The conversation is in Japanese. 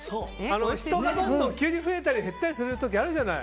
人がどんどん急に増えたり減ったりする時あるじゃない。